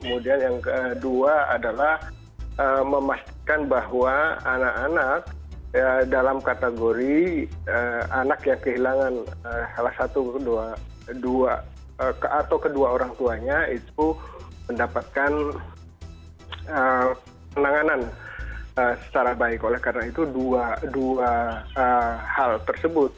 oleh karena itu dua hal tersebut